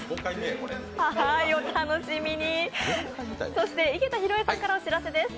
そして、井桁弘恵さんからお知らせです。